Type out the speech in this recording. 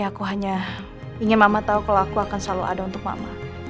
aku hanya ingin mama tahu kalau aku akan selalu ada untuk mama